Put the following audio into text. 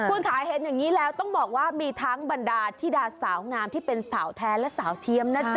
คุณค่ะเห็นอย่างนี้แล้วต้องบอกว่ามีทั้งบรรดาธิดาสาวงามที่เป็นสาวแท้และสาวเทียมนะจ๊